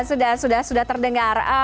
sudah sudah sudah terdengar